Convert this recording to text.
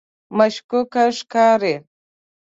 مشکوکه ښکاري.